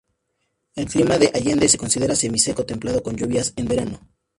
El clima de Allende se considera semi seco templado con lluvias en verano.